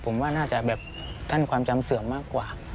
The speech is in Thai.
ผมว่าน่าจะแบบท่านความจำเสื่อมมากกว่า